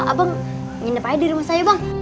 abang nginep aja di rumah saya bang